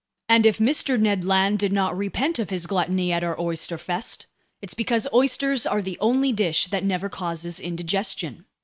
And if Mr. Ned Land did not repent of his gluttony at our oyster fest, it's because oysters are the only dish that never causes indigestion.